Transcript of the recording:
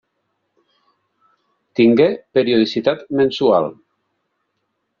Tingué periodicitat mensual.